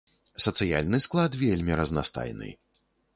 Сацыяльны склад вельмі разнастайны.